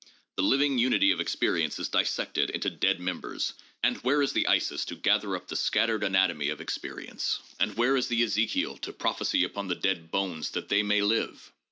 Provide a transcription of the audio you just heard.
The living unity of experience is dissected into dead members, and where is the Isis to gather up the scattered anatomy PSYCHOLOGY AND SCIENTIFIC METHODS 591 of experience, and where is the Ezekiel to prophesy upon the dead bones that they may live?